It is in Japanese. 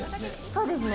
そうですね。